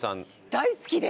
大好きで。